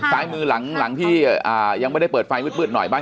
ซ้ายมือหลังที่ยังไม่ได้เปิดไฟมืดหน่อยบ้าน